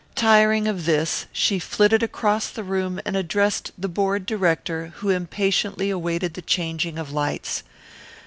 Tiring of this, she flitted across the room and addressed the bored director who impatiently awaited the changing of lights.